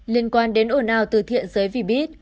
liên quan đến ôn ào từ thiện giới vbit